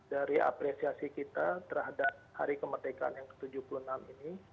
dari apresiasi kita terhadap hari kemerdekaan yang ke tujuh puluh enam ini